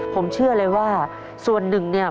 ผมเชื่อเลยว่าส่วนหนึ่งเนี่ย